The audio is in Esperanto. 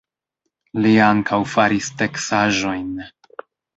Li ankaŭ faris teksaĵojn.